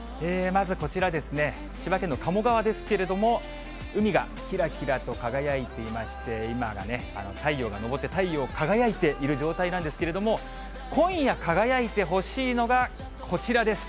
まずこちらですね、千葉県の鴨川ですけれども、海がきらきらと輝いていまして、今がね、太陽が昇って、太陽輝いている状態なんですけれども、今夜輝いてほしいのが、こちらです。